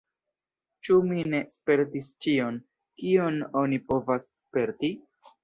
Ĉu mi ne spertis ĉion, kion oni povas sperti?